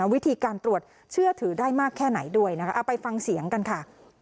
วิธีการตรวจเชื่อถือได้มากแค่ไหนด้วยนะคะเอาไปฟังเสียงกันค่ะ